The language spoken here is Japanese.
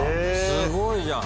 すごいじゃん！